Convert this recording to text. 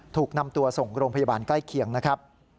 ถูกนำตัวส่งโรงพยาบาลใกล้เคียงนะครับ